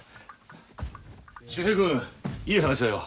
秀平君いい話だよ。